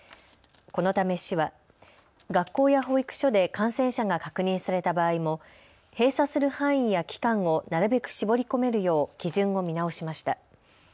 このため、市は、学校や保育所で感染者が確認された場合も閉鎖する範囲や期間をなるべく絞り込めるよう基準を見直しました。